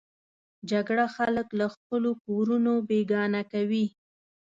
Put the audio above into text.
جګړه خلک له خپلو کورونو بېګانه کوي